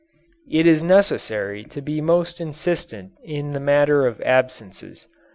It is necessary to be most insistent in the matter of absences.